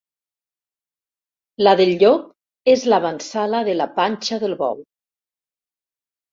La del llop és l'avantsala de la panxa del bou.